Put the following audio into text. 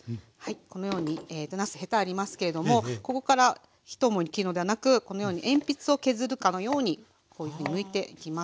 このようになすヘタありますけれどもここから一思いに切るのではなくこのように鉛筆を削るかのようにこういうふうにむいていきます。